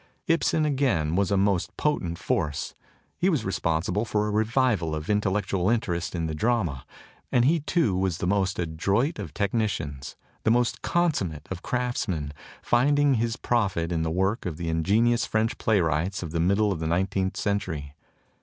Ibsen, again, was a most potent force; he was responsible for a revival of intellectual interest in the drama; and he too was the most adroit of technicians, the most consummate of craftsmen, rinding his profit in the work of the ingenious French playwrights of the middle of the nineteenth century.